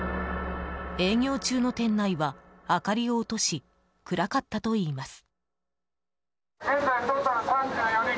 営業中の店内は、明かりを落とし暗かったといいます。